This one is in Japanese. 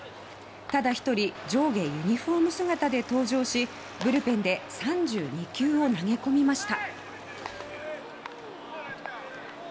ただ１人上下ユニフォーム姿で登場しブルペンで３２球を投げ込みました。